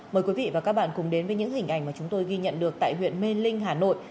mời quý vị và các bạn cùng đến với những hình ảnh mà chúng tôi ghi nhận được tại huyện mê linh hà nội